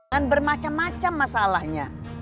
bukan bermacam macam masalahnya